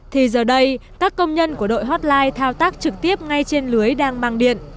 thì giờ đây các công nhân của đội hotline thao tác trực tiếp ngay trên lưới đang mang điện